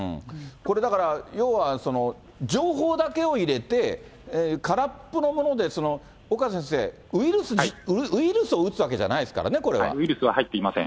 これだから、要は、情報だけを入れて、空っぽのもので、岡先生、ウイルスを打つわけじゃないですからね、ウイルスは入っていません。